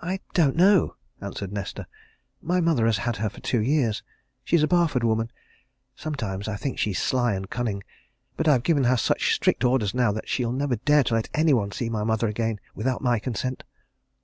"I don't know!" answered Nesta. "My mother has had her two years she's a Barford woman. Sometimes I think she's sly and cunning. But I've given her such strict orders now that she'll never dare to let any one see my mother again without my consent."